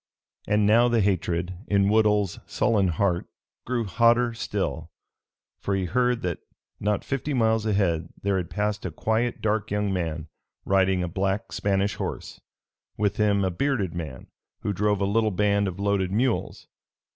And now the hatred in Woodhull's sullen heart grew hotter still, for he heard that not fifty miles ahead there had passed a quiet dark young man, riding a black Spanish horse; with him a bearded man who drove a little band of loaded mules!